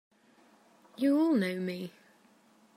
You all know me!